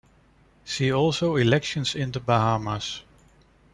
See also Elections in the Bahamas.